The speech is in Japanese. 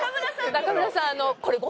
中村さん。